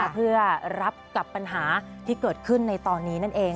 เพื่อรับกับปัญหาที่เกิดขึ้นในตอนนี้นั่นเอง